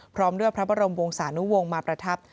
พร้อมด้วยพระบรมวงศานุวงศ์มาประทับ